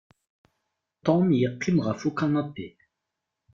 Tom yeqqim ɣef ukanapi.